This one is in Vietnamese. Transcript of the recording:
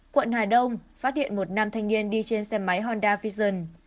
quận hà đông phát hiện một nam thanh niên đi trên xe máy honda vision